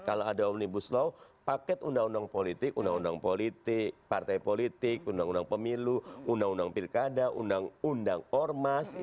kalau ada omnibus law paket undang undang politik undang undang politik partai politik undang undang pemilu undang undang pilkada undang undang ormas